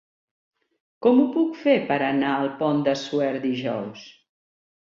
Com ho puc fer per anar al Pont de Suert dijous?